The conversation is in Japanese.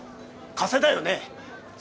加瀬だよ！